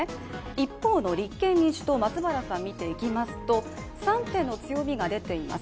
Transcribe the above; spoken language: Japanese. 一方の立憲民主党、松原さんを見ていきますと３点の強みが出ています。